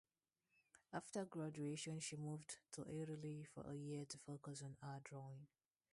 After graduation, she moved to Italy for a year to focus on her drawing.